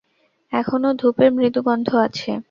এখনো ধূপের মৃদু গন্ধ আছে!